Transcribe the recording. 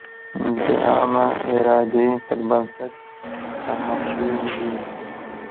د عامه ارادې پر بنسټ طرحه شوې وي.